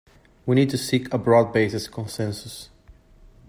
We need to seek a broad-based consensus.